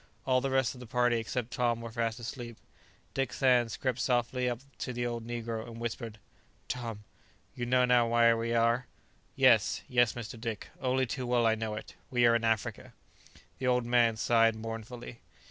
All the rest of the party, except Tom, were fast asleep. Dick Sands crept softly up to the old negro, and whispered: "Tom, you know now where we are!" "Yes, yes, Mr. Dick, only too well I know it. We are in Africa!" The old man sighed mournfully.